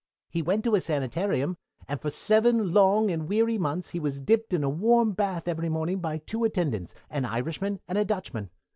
"He went to a sanitarium, and for seven long and weary months he was dipped in a warm bath every morning by two attendants, an Irishman and a Dutchman.